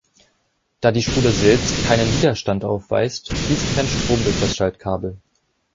Da die Spule selbst keinen Widerstand aufweist, fließt kein Strom durch das Schaltkabel.